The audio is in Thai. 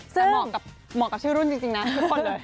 แต่เหมาะกับชื่อรุ่นจริงนะทุกคนเลย